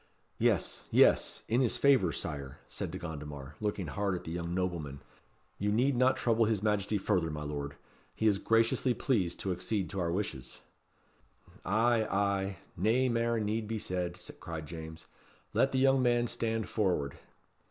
"Yes, yes; in his favour, Sire," said De Gondomar, looking hard at the young nobleman. "You need not trouble his Majesty further, my lord. He is graciously pleased to accede to our wishes." "Ay, ay; nae mair need be said," cried James. "Let the young man stand forward."